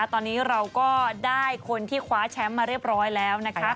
ตอนนี้เราก็ได้คนที่คว้าแชมป์มาเรียบร้อยแล้วนะคะ